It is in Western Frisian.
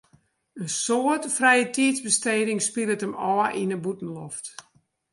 In soad frijetiidsbesteging spilet him ôf yn de bûtenloft.